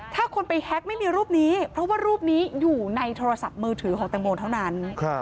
ถ้าคนไปแฮ็กไม่มีรูปนี้เพราะว่ารูปนี้อยู่ในโทรศัพท์มือถือของแตงโมเท่านั้น